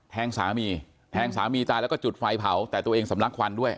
แทงสามีแทงสามีตายแล้วก็จุดไฟเผาแต่ตัวเองสำลักควันด้วย